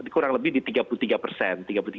kurang lebih di rp tiga puluh tiga triliun